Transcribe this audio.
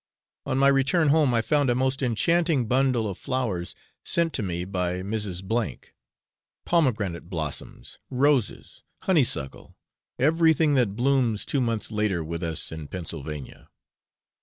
On my return home, I found a most enchanting bundle of flowers, sent to me by Mrs. G ; pomegranate blossoms, roses, honeysuckle, everything that blooms two months later with us in Pennsylvania.